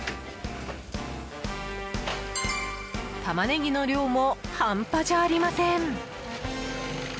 タマネギの量も半端じゃありません。